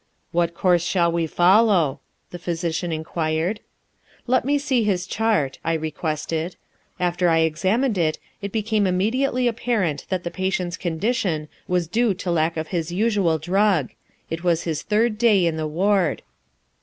"What course shall we follow?" the physician inquired. "Let me see his chart," I requested. After I examined it, it became immediately apparent that the patient's condition was due to lack of his usual drug. It was his third day in the ward.